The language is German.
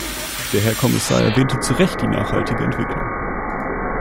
Der Herr Kommissar erwähnte zurecht die nachhaltige Entwicklung.